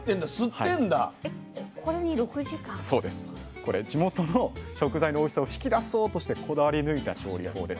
これ地元の食材のおいしさを引き出そうとしてこだわり抜いた調理法です。